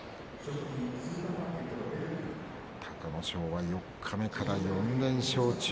隆の勝は四日目から４連勝中。